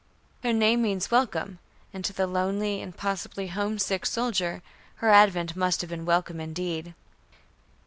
Her name means "Welcome," and to the lonely and possibly homesick soldier, her advent must have been welcome indeed.